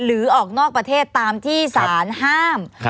ออกนอกประเทศตามที่สารห้าม